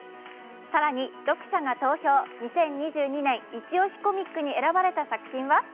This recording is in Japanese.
更に、読者が投票、２０２２年イチオシコミックに選ばれた作品は？